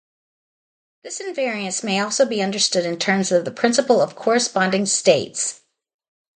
This invariance may also be understood in terms of the principle of corresponding states.